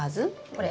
これ。